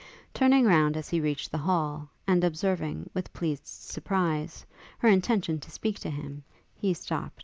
Turning round as he reached the hall, and observing, with pleased surprise, her intention to speak to him, he stopt.